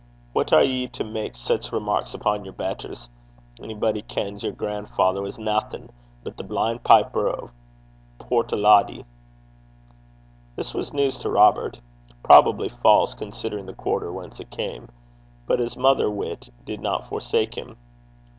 'Wha' are ye to mak' sic remarks upo' yer betters? A'body kens yer gran'father was naething but the blin' piper o' Portcloddie.' This was news to Robert probably false, considering the quarter whence it came. But his mother wit did not forsake him.